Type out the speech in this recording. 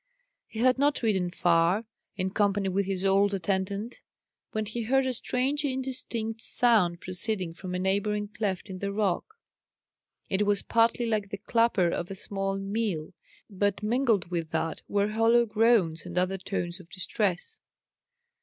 He had not ridden far, in company with his old attendant, when he heard a strange indistinct sound proceeding from a neighbouring cleft in the rock; it was partly like the clapper of a small mill, but mingled with that were hollow groans and other tones of distress.